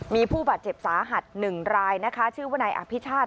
มีผู้บาดเจ็บสาหัส๑รายนะคะชื่อว่านายอภิชาติ